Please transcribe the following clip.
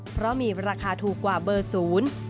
เพราะมีราคาถูกกว่าเบอร์๐